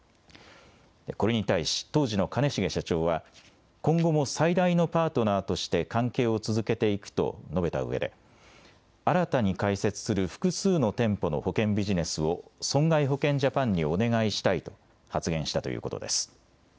これに対し当時の兼重社長は今後も最大のパートナーとして関係を続けていくと述べたうえで新たに開設する複数の店舗の保険ビジネスを損害保険ジャパンにお願いしたいと発言したということです。